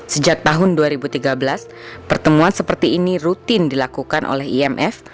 sejak tahun dua ribu tiga belas pertemuan seperti ini rutin dilakukan oleh imf